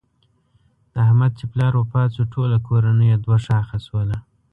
د احمد چې پلار وفات شو ټوله کورنۍ یې دوه شاخه شوله.